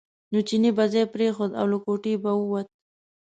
نو چیني به ځای پرېښود او له کوټې به ووت.